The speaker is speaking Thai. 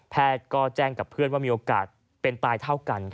ก็แจ้งกับเพื่อนว่ามีโอกาสเป็นตายเท่ากัน